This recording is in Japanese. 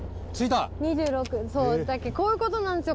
えそうこういうことなんですよ